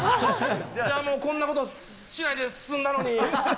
もうこんなことしないですんだのに。